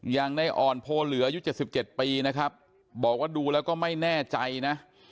อย่างในอ่อนโพเหลืออายุ๗๗ปีนะครับบอกว่าดูแล้วก็ไม่แน่ใจนะ